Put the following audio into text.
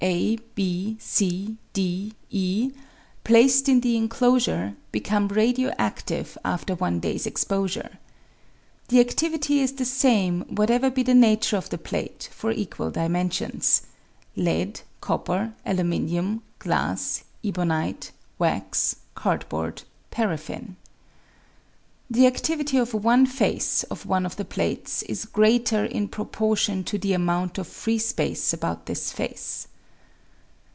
A, B, c, D, E, placed in the inclosure become radio adive after one day's exposure. The adivity is the same Thesis presented to the Faculty des Sciences de Paris Fig. II. whatever be the nature of the plate, for equal dimensions (lead, copper, aluminium, glass, ebonite, wax, cardboard, paraffin). The adivity of one face of one of the plates is greater in proportion to the amount of free space about this face.